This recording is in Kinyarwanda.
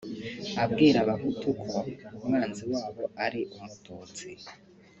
abwira abahutu ko umwanzi wabo ari umututsi